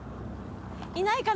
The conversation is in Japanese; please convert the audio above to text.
いないかな。